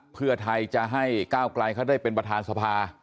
เพื่อไทยจะให้ก้าวไกลเขาได้เป็นประธานสภา